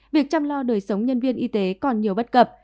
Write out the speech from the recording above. việc chăm lo đời sống nhân viên y tế còn nhiều bất cập